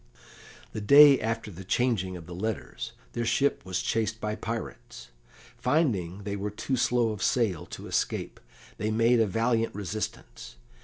The day after the changing of the letters their ship was chased by pirates. Finding they were too slow of sail to escape, they made a valiant resistance.